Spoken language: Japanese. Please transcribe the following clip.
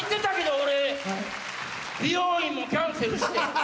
俺美容院もキャンセルして。